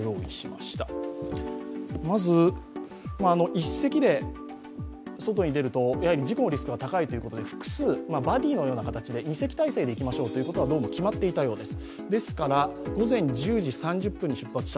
１隻で外に出るとやはり事故のリスクが高いということで複数、バディーのような形で２隻体制でいきましょうとどうも決まっていたようです。